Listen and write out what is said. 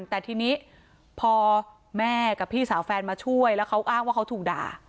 แต่ทีนี้พอแม่กับพี่สาวแฟนมาช่วยแล้วเขาอ้างว่าเขาถูกด่า